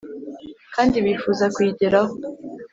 kandi bifuza kuyigeraho.